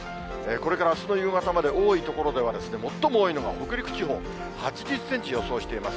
これからあすの夕方まで、多い所では、最も多いのが北陸地方、８０センチ、予想しています。